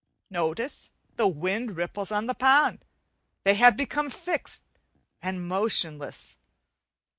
Notice the wind ripples on the pond; they have become fixed and motionless.